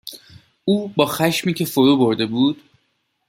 او با خشمی که فرو برده بود،